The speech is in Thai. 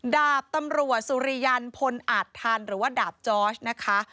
ดาบตำรวจสุริยันพลอาจทันหรือว่าดาบจอร์ชนะคะ